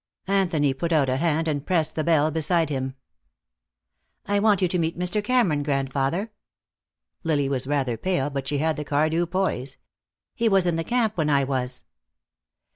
Anthony put out a hand and pressed the bell beside him. "I want you to meet Mr. Cameron, grandfather." Lily was rather pale, but she had the Cardew poise. "He was in the camp when I was."